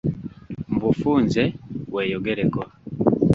Mu bufunze, weeyogereko.